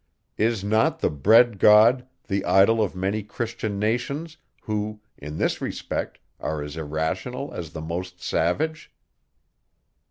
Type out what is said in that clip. Is not the Bread God the idol of many Christian nations, who, in this respect, are as irrational, as the most savage?